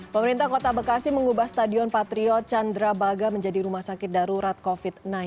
pemerintah kota bekasi mengubah stadion patriot candrabaga menjadi rumah sakit darurat covid sembilan belas